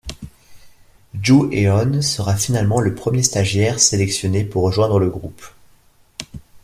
Joo Heon sera finalement le premier stagiaire sélectionné pour rejoindre le groupe.